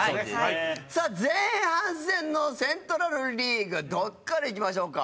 さあ前半戦のセントラル・リーグどこからいきましょうか？